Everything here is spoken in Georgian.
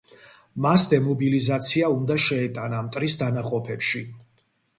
მას დემობილიზაცია უნდა შეეტანა მტრის დანაყოფებში.